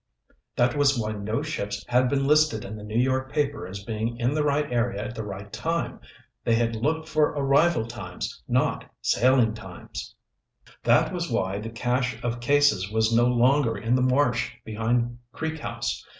That was why no ships had been listed in the New York paper as being in the right area at the right time. They had looked for arrival times, not sailing times. That was why the cache of cases was no longer in the marsh behind Creek House.